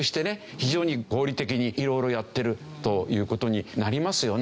非常に合理的に色々やってるという事になりますよね。